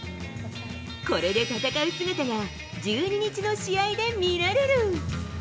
これで戦う姿が１２日の試合で見られる。